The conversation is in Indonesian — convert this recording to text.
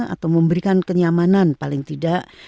atau memberikan kenyamanan paling tidak